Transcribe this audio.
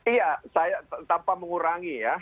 iya saya tanpa mengurangi ya